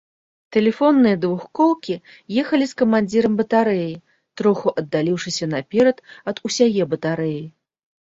Тэлефонныя двухколкі ехалі з камандзірам батарэі, троху аддаліўшыся наперад ад усяе батарэі.